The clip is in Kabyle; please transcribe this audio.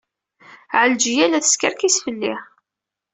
Ɛelǧiya la teskerkis fell-i.